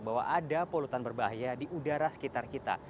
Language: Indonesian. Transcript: bahwa ada polutan berbahaya di udara sekitar kita